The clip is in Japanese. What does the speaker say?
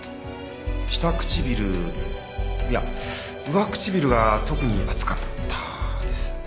下唇いや上唇が特に厚かったです。